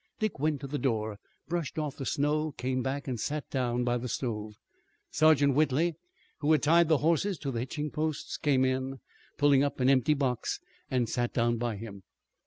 Dick went to the door, brushed off the snow, came back and sat down by the stove. Sergeant Whitley, who had tied the horses to hitching posts, came in, pulled up an empty box and sat down by him.